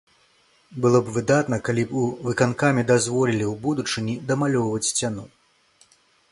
Было б выдатна, калі б у выканкаме дазволілі ў будучыні дамалёўваць сцяну.